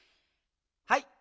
はい。